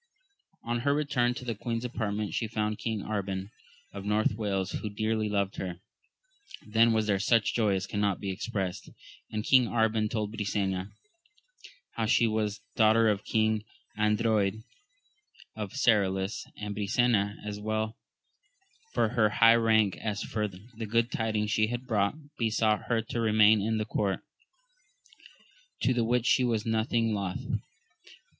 On her return to the queen's apartment, she found King Arban, of North Wales, who dearly loved her. Then was there such joy as cannot be expressed ; and King Arban told Brisena how she was daughter to King Ardroyd of Serolys ; and Brisena, as well for her high rank as for the good tidings she had brought, besought her to re main in her court ; to the which she was nothing loth.